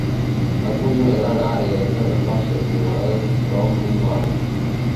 Acull una gran àrea de terres baixes anomenada Romney Marsh.